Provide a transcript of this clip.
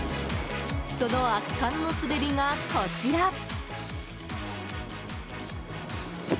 その圧巻の滑りがこちら。